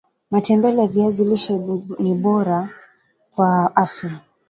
matembele ya viazi lishe ni boara kwa afya